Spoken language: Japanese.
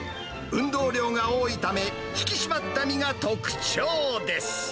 運動量が多いため、引き締まった身が特徴です。